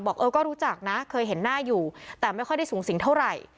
เออก็รู้จักนะเคยเห็นหน้าอยู่แต่ไม่ค่อยได้สูงสิงเท่าไหร่